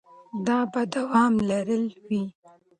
دا به دوام لرلی وي.